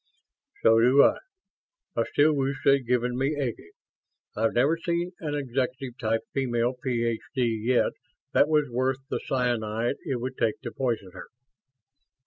"So do I. I still wish they'd given me Eggy. I've never seen an executive type female Ph.D. yet that was worth the cyanide it would take to poison her."